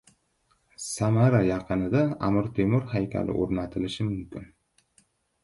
Samara yaqinida Amir Temur haykali o‘rnatilishi mumkin